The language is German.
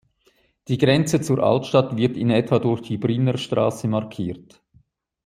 Die Grenze zur Altstadt wird in etwa durch die Brienner Straße markiert.